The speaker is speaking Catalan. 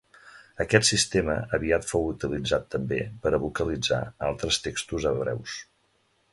Aquest sistema aviat fou utilitzat també per a vocalitzar altres textos hebreus.